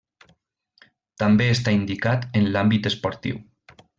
També està indicat en l'àmbit esportiu.